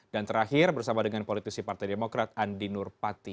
dan terakhir bersama dengan politisi partai demokrat andi nurpati